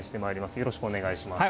よろしくお願いします。